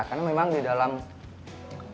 karena memang di dalamnya ada air